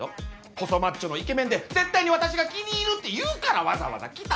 細マッチョのイケメンで絶対に私が気に入るっていうからわざわざ来たのに！